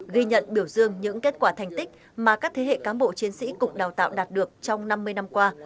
ghi nhận biểu dương những kết quả thành tích mà các thế hệ cán bộ chiến sĩ cục đào tạo đạt được trong năm mươi năm qua